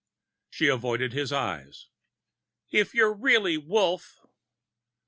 She avoided his eyes. "If you're really Wolf...."